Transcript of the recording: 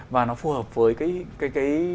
và nó phù hợp với cái